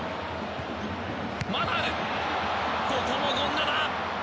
まだある、ここも権田だ。